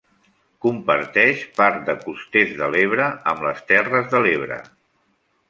Comparteix part de Costers de l'Ebre amb les Terres de l'Ebre.